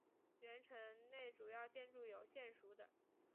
原城内主要建筑有县署等。